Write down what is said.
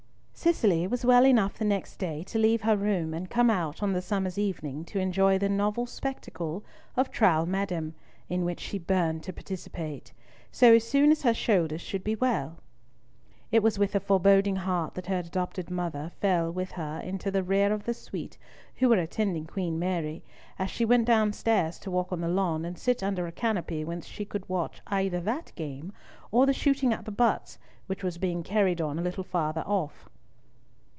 Cicely was well enough the next day to leave her room and come out on the summer's evening to enjoy the novel spectacle of Trowle Madame, in which she burned to participate, so soon as her shoulder should be well. It was with a foreboding heart that her adopted mother fell with her into the rear of the suite who were attending Queen Mary, as she went downstairs to walk on the lawn, and sit under a canopy whence she could watch either that game, or the shooting at the butts which was being carried on a little farther off.